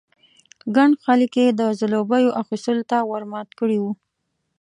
ګڼ خلک یې د ځلوبیو اخيستلو ته ور مات کړي وو.